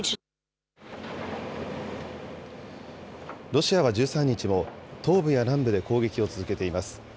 ロシアは１３日も、東部や南部で攻撃を続けています。